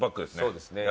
そうですね。